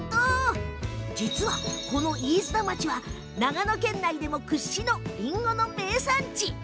実は、この飯綱町は長野県内でも屈指のりんごの名産地。